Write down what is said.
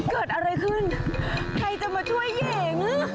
เกิดอะไรขึ้นใครจะมาช่วยหญิง